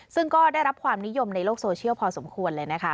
ซึ่งก็ได้รับความนิยมในโลกโซเชียลพอสมควรเลยนะคะ